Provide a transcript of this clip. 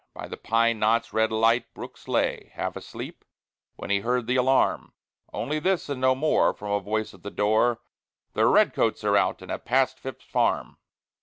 By the pine knot's red light Brooks lay, half asleep, when he heard the alarm, Only this, and no more, from a voice at the door: "The Red Coats are out, and have passed Phips's farm."